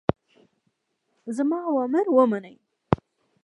زما اوامر ومنئ.